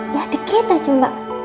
ya dikit aja mbak